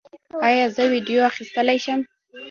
ایا زه ویډیو اخیستلی شم؟